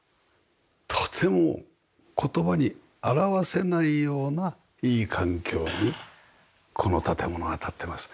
とても言葉に表せないようないい環境にこの建物は立ってます。